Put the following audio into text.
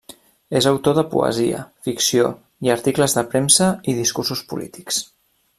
És autor de poesia, ficció i articles de premsa i discursos polítics.